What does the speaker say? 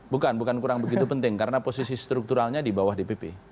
bukan bukan kurang begitu penting karena posisi strukturalnya di bawah dpp